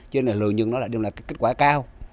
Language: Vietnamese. cho nên là lợi nhuận nó lại đưa lại kết quả cao